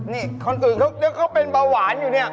นี่คนอื่นเขาเป็นเบาหวานอยู่เนี่ย